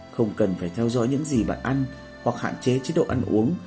không cần phải theo dõi những gì bạn ăn hoặc hạn chế chế độ ăn uống